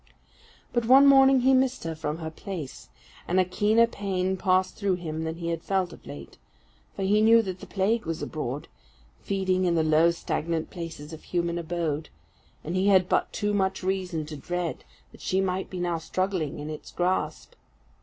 But one morning he missed her from her place, and a keener pain passed through him than he had felt of late; for he knew that the Plague was abroad, feeding in the low stagnant places of human abode; and he had but too much reason to dread that she might be now struggling in its grasp.